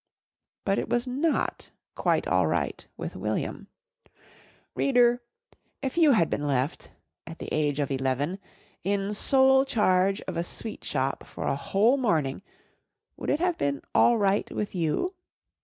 But it was not "quite all right" with William. Reader, if you had been left, at the age of eleven, in sole charge of a sweet shop for a whole morning, would it have been "all right" with you?